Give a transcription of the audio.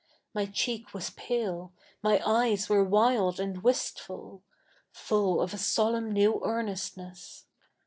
My cheek was tale, 77iy eyes ivere wild a7id wistful— full of a sole7nn 7iew ear7iestness.